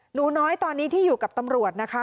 หนูน้อยตอนนี้ที่อยู่กับตำรวจนะคะ